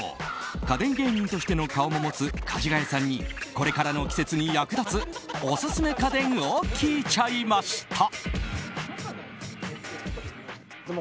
家電芸人としての顔も持つかじがやさんにこれからの季節に役立つオススメ家電を聞いちゃいました。